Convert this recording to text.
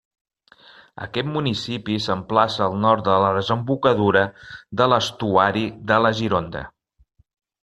Aquest municipi s'emplaça al nord de la desembocadura de l'estuari de la Gironda.